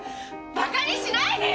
バカにしないでよ！